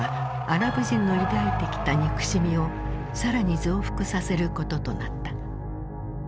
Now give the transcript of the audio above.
アラブ人の抱いてきた憎しみを更に増幅させることとなった。